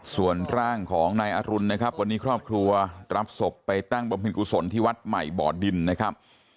ส่วนร่างของนายอรุณนะครับวันนี้ครอบครัวรับศพไปตั้งบำเพ็ญกุศลที่วัดใหม่บ่อดินนะครับ